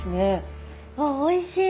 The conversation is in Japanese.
あおいしい！